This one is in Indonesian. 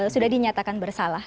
sudah dinyatakan bersalah